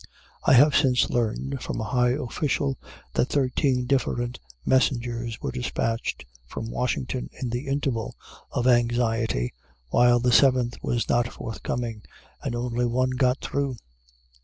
I have since learned from a high official, that thirteen different messengers were dispatched from Washington in the interval of anxiety while the Seventh was not forthcoming, and only one got through.